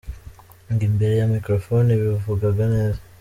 Ngo imbere ya Microphone bivugaga neza.